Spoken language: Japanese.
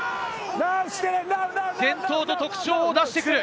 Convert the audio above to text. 伝統と特長を出してくる。